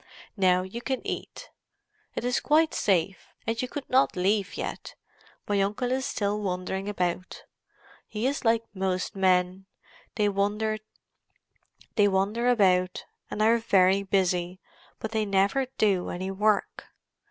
"Now you can eat. It is quite safe, and you could not leave yet; my uncle is still wandering about. He is like most men; they wander about and are very busy, but they never do any work.